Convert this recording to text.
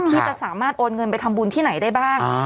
ที่จะสามารถโอนเงินไปทำบุญที่ไหนได้บ้าง